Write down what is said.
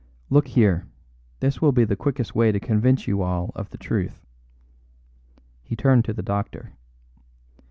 Look here, this will be the quickest way to convince you all of the truth." He turned to the doctor.